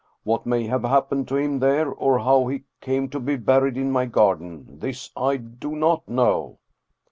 What may have happened to him there, or how he came to be buried in my garden, this I do not know.